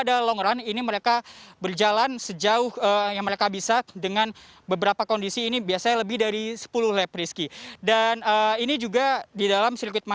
dan di hari kedua